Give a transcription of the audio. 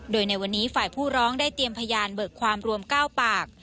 โดยในวันนี้ฝ่ายผู้ร้องได้เตรียมพยานเบิกความรวม๙ปาก